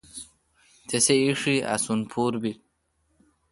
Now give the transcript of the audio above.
تسی ایݭی اسون پھور بیل۔